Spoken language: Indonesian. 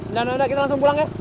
udah kita langsung pulang ya